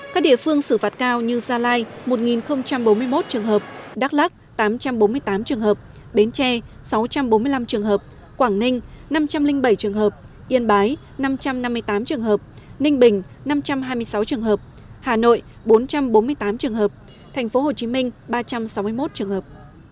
các địa phương xử phạt cao như gia lai một bốn mươi một trường hợp đắk lắc tám trăm bốn mươi tám trường hợp bến tre sáu trăm bốn mươi năm trường hợp quảng ninh năm trăm linh bảy trường hợp yên bái năm trăm năm mươi tám trường hợp ninh bình năm trăm hai mươi sáu trường hợp hà nội bốn trăm bốn mươi tám trường hợp tp hcm ba trăm sáu mươi một trường hợp